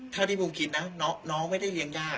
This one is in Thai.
ที่บูมคิดนะน้องไม่ได้เลี้ยงยาก